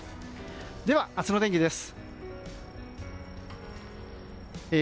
では明日の天気です。